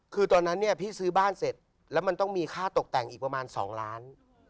คือตอนนั้นเนี่ยพี่ซื้อบ้านเสร็จแล้วมันต้องมีค่าตกแต่งอีกประมาณ๒ล้าน